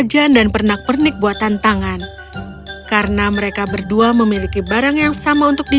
jika mereka membeli darimu mengapa mereka membelinya dariku lagi